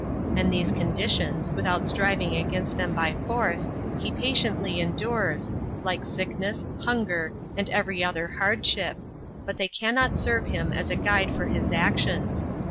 And these conditions, without striving against them by force, he patiently endures, like sickness, hunger, and every other hardship, but they cannot serve him as a guide for his actions.